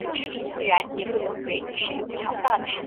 埃松人口变化图示